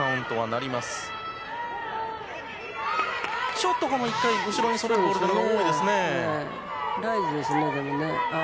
ちょっと、この１回後ろにそれるボールが多めですね。